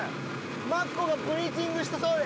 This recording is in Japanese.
マッコウがブリーチングしたそうで。